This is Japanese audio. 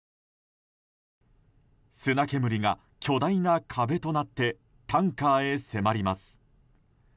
砂煙が巨大な壁となってタンカーへ迫ります。